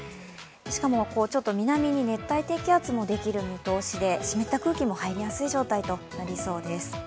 しかも、ちょっと南に熱帯低気圧もできる見通しで湿った空気も入りやすい状態となりそうです。